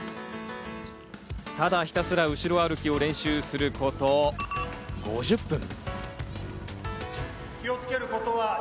ただひたすら後ろ歩きを練習すること５０分。